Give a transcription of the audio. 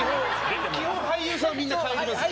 基本俳優さんはみんな帰りますね。